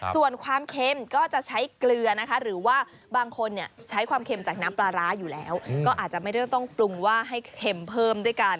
ส่วนความเค็มก็จะใช้เกลือนะคะหรือว่าบางคนใช้ความเค็มจากน้ำปลาร้าอยู่แล้วก็อาจจะไม่ได้ต้องปรุงว่าให้เค็มเพิ่มด้วยกัน